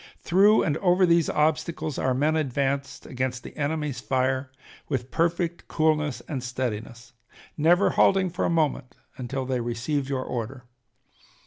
Through and over these obstacles our men advanced against the enemy's fire with perfect coolness and steadiness, never halting for a moment until they received your order.